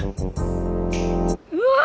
うわ！